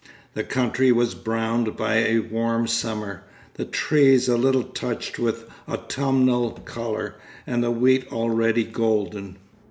The country was browned by a warm summer, the trees a little touched with autumnal colour, and the wheat already golden.